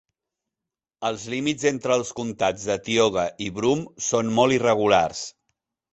Els límits entre els comptats de Tioga i Broome són molt irregulars.